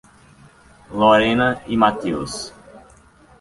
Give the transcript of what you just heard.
Lorena e Matheus